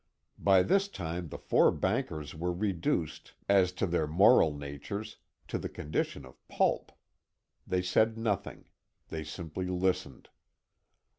By this time the four bankers were reduced, as to their moral natures, to the condition of pulp. They said nothing. They simply listened.